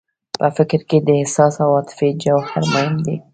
په فکر کې د احساس او عاطفې جوهر مهم دی.